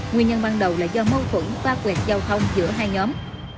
nguyên nhân ban đầu là do mâu thuẫn pa quẹt giao thông giữa hai nhóm